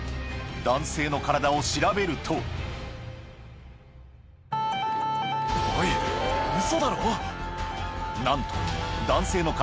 男性の体を調べるとおいウソだろ。